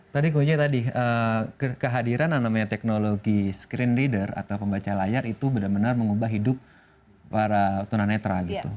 tadi gue nya tadi kehadiran yang namanya teknologi screen reader atau pembaca layar itu benar benar mengubah hidup para tunanetra gitu